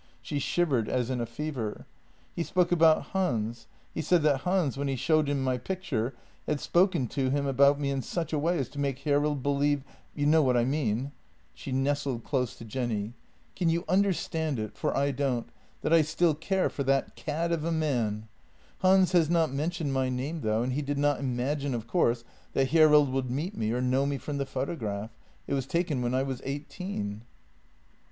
She shivered as in a fever. " He spoke about Hans — he said that Hans, when he showed him my picture, had spoken to him about me in such a way as to make Hjerrild believe — you know what I mean ?" She nestled close to JENNY 78 Jenny. "Can you understand it — for I don't — that I still care for that cad of a man? Hans had not mentioned my name, though, and he did not imagine, of course, that Hjerrild would meet me or know me from the photograph; it was taken when I was eighteen."